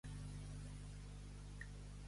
No dir res, ni en bé ni en mal.